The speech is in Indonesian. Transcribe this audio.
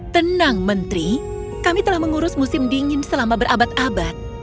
tenang menteri kami telah mengurus musim dingin selama berabad abad